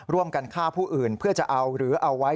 ร่วมกันฆ่าผู้อื่นเพื่อจะเอาหรือเอาไว้